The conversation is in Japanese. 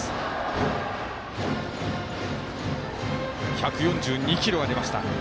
１４２キロが出ました。